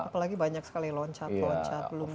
apalagi banyak sekali loncat loncat